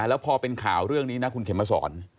แล้วพอเป็นข่าวเรื่องนี้นะคุณเข็มมาสอน